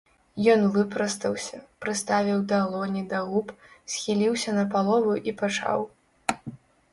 Ён выпрастаўся, прыставіў далоні да губ, схіліўся напалову і пачаў.